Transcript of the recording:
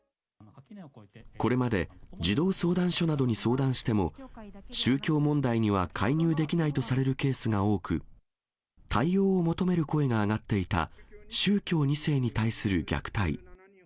これまで児童相談所などに相談しても、宗教問題には介入できないとされるケースが多く、対応を求める声が上がっていた宗教２世に対する虐待。